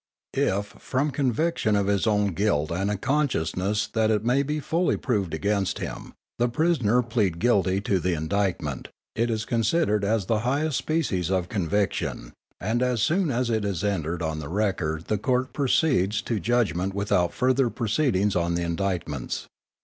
_ _If, from conviction of his own guilt and a consciousness that it may be fully proved against him, the prisoner plead guilty to the indictment, it is considered as the highest species of conviction, and as soon as it is entered on record the Court proceeds to judgment without further proceedings on the indictments.